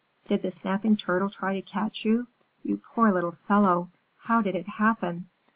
"Did the Snapping Turtle try to catch you? You poor little fellow! How did it happen?"